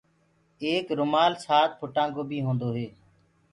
ايڪ رومآل سآت ڦُٽآ ڪو بيٚ هونٚدو هي